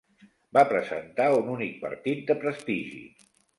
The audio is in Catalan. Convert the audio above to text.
Va presentar un únic partit de prestigi.